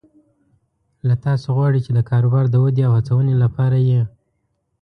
له تاسو غواړي چې د کاروبار د ودې او هڅونې لپاره یې